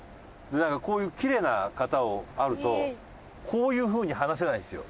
「だからこういうきれいな方を会うとこういうふうに話せないんですよ」